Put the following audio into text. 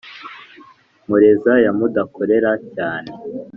nkoreza ya mudakorera cyane